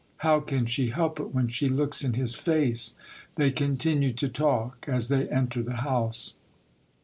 How can she help it when she looks in his face ?. They continue to talk, as they enter the house.